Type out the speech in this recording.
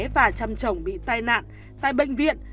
và chăm chồng bị tai nạn tại bệnh viện